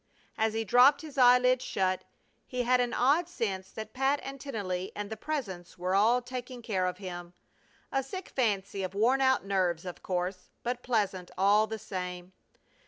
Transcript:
As he dropped his eyelids shut he had an odd sense that Pat and Tennelly and the Presence were all taking care of him. A sick fancy of worn out nerves, of course, but pleasant all the same.